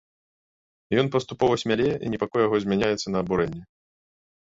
Ён паступова смялее, і непакой яго змяняецца на абурэнне.